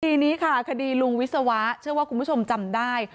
คดีนี้ค่ะคดีลุงวิศวะเชื่อว่าคุณผู้ชมจำได้